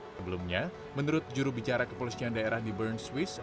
sebelumnya menurut jurubicara kepolisian daerah di bern swiss